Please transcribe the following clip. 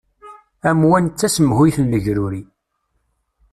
Amwan d tasemhuyt n legruri.